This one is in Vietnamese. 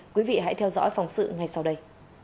quý vị hãy theo dõi phóng sự ngay sau đây